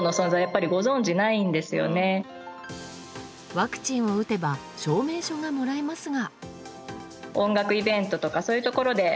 ワクチンを打てば証明書がもらえますが。